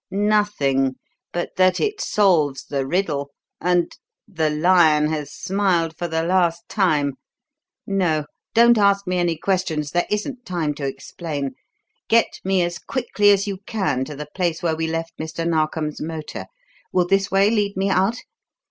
"Nothing, but that it solves the riddle, and the lion has smiled for the last time! No, don't ask me any questions; there isn't time to explain. Get me as quickly as you can to the place where we left Mr. Narkom's motor. Will this way lead me out?